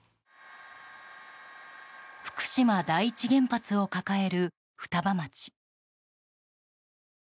福島第一原発を抱える双葉町。